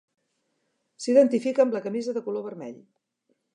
S'identifica amb la camisa de color vermell.